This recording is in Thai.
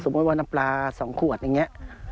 ว่าน้ำปลา๒ขวดอย่างนี้